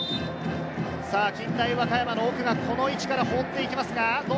近大和歌山の奥がこの位置から放っていきます。